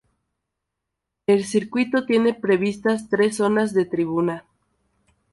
El circuito tiene previstas tres zonas de tribuna.